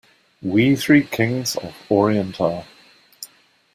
We three Kings of Orient are.